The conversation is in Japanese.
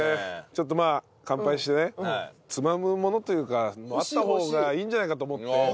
ちょっとまあ乾杯してねつまむものというかあった方がいいんじゃないかと思って。